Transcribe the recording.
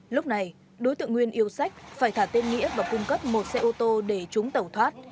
lúc này đối tượng nguyên yêu sách phải thả tên nghĩa và cung cấp một xe ô tô để chúng tẩu thoát